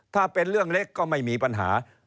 ถ้าเป็นเรื่องเล็กก็ไม่มีปัญหา